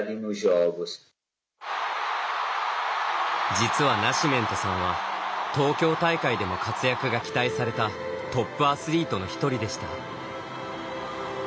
実はナシメントさんは東京大会でも活躍が期待されたトップアスリートの１人でした。